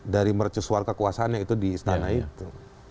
dari mercusual kekuasanya itu di istana itu